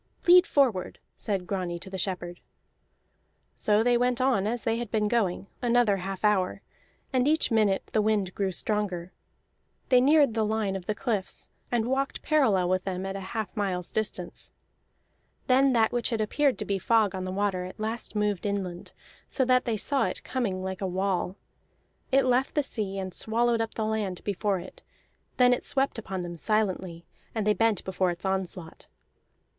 "Lead forward!" said Grani to the shepherd. So they went on as they had been going, another half hour, and each minute the wind grew stronger. They neared the line of the cliffs, and walked parallel with them at a half mile's distance. Then that which had appeared to be fog on the water at last moved inland, so that they saw it coming like a wall. It left the sea, and swallowed up the land before it; then it swept upon them silently, and they bent before its onslaught.